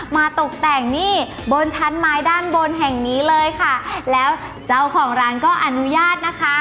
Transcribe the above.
ตกแต่งนี่บนชั้นไม้ด้านบนแห่งนี้เลยค่ะแล้วเจ้าของร้านก็อนุญาตนะคะ